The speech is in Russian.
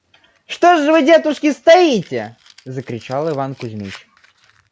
«Что ж вы, детушки, стоите? – закричал Иван Кузмич.